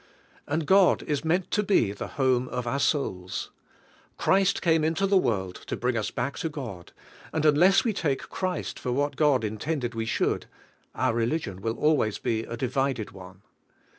And God is meant to be the home of our souls. Christ came into the world to bring us back to God, and unless we take Christ for what God in tended we should, our religion will always be a divided one.